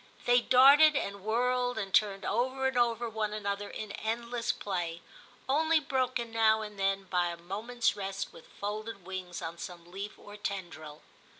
They darted and whirled and turned over and over one another in endless play, only broken now and then by a moment's rest with folded wings on some leaf or tendril.